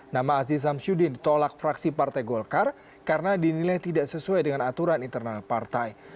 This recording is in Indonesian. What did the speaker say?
nama aziz samsudin ditolak fraksi partai golkar karena dinilai tidak sesuai dengan aturan internal partai